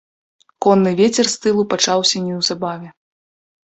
Конны вецер з тылу пачаўся неўзабаве.